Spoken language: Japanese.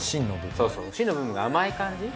そうそう芯の部分が甘い感じ？